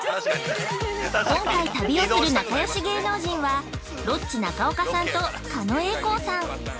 今回旅をする仲良し芸能人は、ロッチ中岡さんと狩野英孝さん。